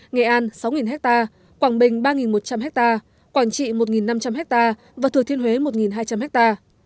nghệ an sáu ha quảng bình ba một trăm linh ha quảng trị một năm trăm linh ha và thừa thiên huế một hai trăm linh ha